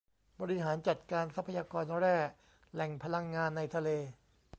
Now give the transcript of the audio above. บริหารจัดการทรัพยากรแร่ แหล่งพลังงาน ในทะเล